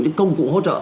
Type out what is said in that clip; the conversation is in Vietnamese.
những công cụ hỗ trợ